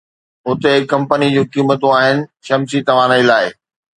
هتي هڪ ڪمپني جون قيمتون آهن شمسي توانائي لاءِ